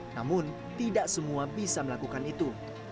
namun tidak semua bisa melakukan itu